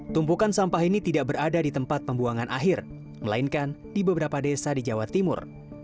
tumpukan sampah ini tidak berada di tempat pembuangan akhir melainkan di beberapa desa di jawa timur